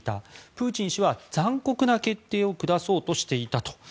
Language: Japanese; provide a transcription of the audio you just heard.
プーチン氏は残酷な決定を下そうとしていたと。